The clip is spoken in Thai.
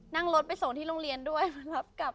นั่งรถไปส่งที่โรงเรียนด้วยมารับกลับ